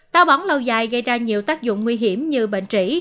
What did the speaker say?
táo bóng lâu dài gây ra nhiều tác dụng nguy hiểm như bệnh trĩ